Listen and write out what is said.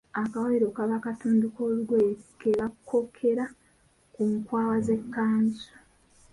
Akawaayiro kaba katundu k’olugoye ke bakookera mu nkwawa z’ekkanzu.